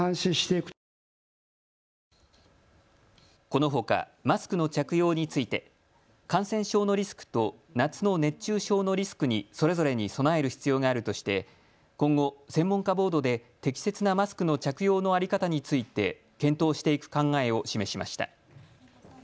このほか、マスクの着用について感染症のリスクと夏の熱中症のリスクにそれぞれに備える必要があるとして今後、専門家ボードで適切なマスクの着用の在り方について検討していく考えを示しました。